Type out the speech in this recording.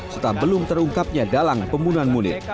serta belum terungkapnya dalang pembunuhan munir